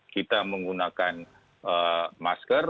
kita menggunakan masker